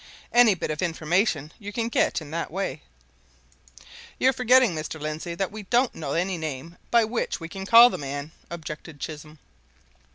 Any bit of information you can get in that way " "You're forgetting, Mr. Lindsey, that we don't know any name by which we can call the man," objected Chisholm.